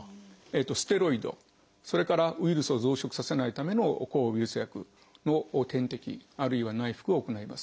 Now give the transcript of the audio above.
ステロイドそれからウイルスを増殖させないための抗ウイルス薬の点滴あるいは内服を行います。